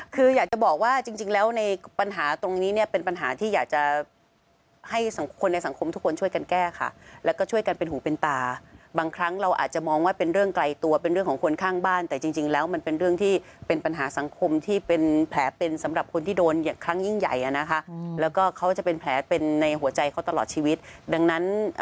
คืออยากจะบอกว่าจริงจริงแล้วในปัญหาตรงนี้เนี่ยเป็นปัญหาที่อยากจะให้สังคมในสังคมทุกคนช่วยกันแก้ค่ะแล้วก็ช่วยกันเป็นหูเป็นตาบางครั้งเราอาจจะมองว่าเป็นเรื่องไกลตัวเป็นเรื่องของคนข้างบ้านแต่จริงแล้วมันเป็นเรื่องที่เป็นปัญหาสังคมที่เป็นแผลเป็นสำหรับคนที่โดนครั้งยิ่งใหญ่อ่ะนะคะแล้วก็เขาจะเป็นแผลเป็นในหัวใจเขาตลอดชีวิตดังนั้น